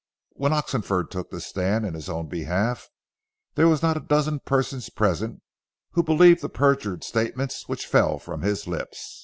When Oxenford took the stand in his own behalf, there were not a dozen persons present who believed the perjured statements which fell from his lips.